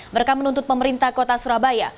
mereka menuntut pemerintah kota surabaya